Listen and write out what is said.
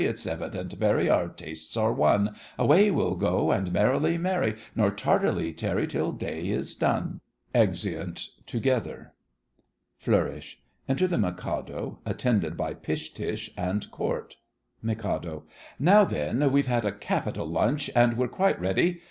It's evident, very, Our tastes are one! Away we'll go, And merrily marry, Nor tardily tarry Till day is done! [Exeunt together. Flourish. Enter the Mikado, attended by Pish Tush and Court. MIK. Now then, we've had a capital lunch, and we're quite ready.